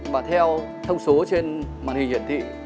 và theo thông số trên màn hình hiển thị